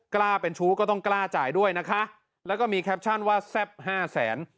กล้าเป็นชู้ก็ต้องกล้าจ่ายด้วยนะคะแล้วก็มีแคปชั่นว่าแซ่บห้าแสน